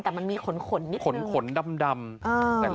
แต่มันมีขนนิดนึง